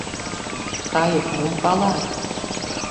— Кайык мом пала?